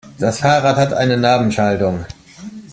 Das Fahrrad hat eine Narbenschaltung.